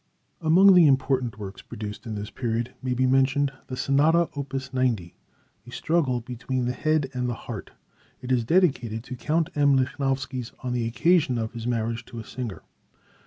Among the important works produced in this period may be mentioned the Sonata, opus 90, "A struggle between the head and the heart." It is dedicated to Count M. Lichnowsky on the occasion of his marriage to a singer.